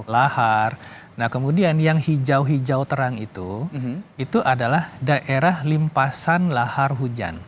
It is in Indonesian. lahar nah kemudian yang hijau hijau terang itu itu adalah daerah limpasan lahar hujan